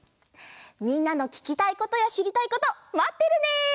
みんなのききたいことやしりたいことまってるね！